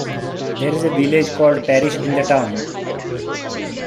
There is a village called Parish in the town.